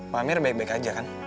pak amir baik baik aja kan